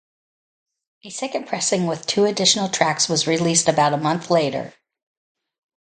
A second pressing with two additional tracks was released about a month later.